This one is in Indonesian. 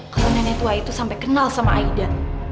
kalau nenek tua itu sampai kenal sama aida